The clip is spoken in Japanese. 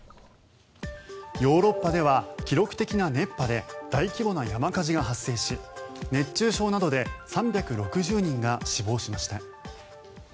ヨーロッパでは記録的な熱波で大規模な山火事が発生し熱中症などで３６０人が死亡しました。